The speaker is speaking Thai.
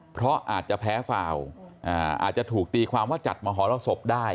เพราะอาจจะแพ้ฟาวอาจจะถูกตีความว่าจัดมหรสบได้